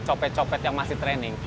copet copet yang masih training